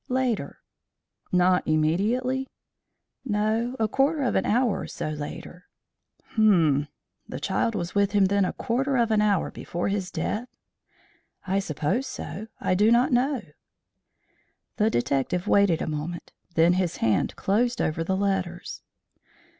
"Later." "Not immediately?" "No; a quarter of an hour or so later." "Humph! The child was with him then a quarter of an hour before his death?" "I suppose so; I do not know." The detective waited a moment, then his hand closed over the letters.